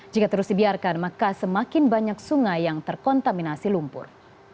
jika terus dibiarkan maka semakin banyak sungai yang terkontaminasi lumpur